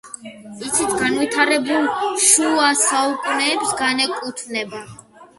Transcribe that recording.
ისიც განვითარებულ შუა საუკუნეებს განეკუთვნება.